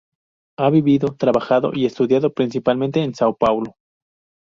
Ha vivido, trabajado y estudiado principalmente en São Paulo.